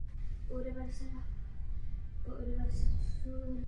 Laboratorní testy mají při určování stupně dehydratace v klinické praxi jen malý užitek.